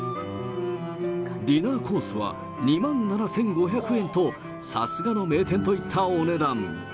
ディナーコースは、２万７５００円と、さすがの名店といったお値段。